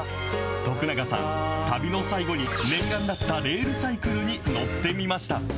徳永さん、旅の最後に、念願だったレールサイクルに乗ってみました。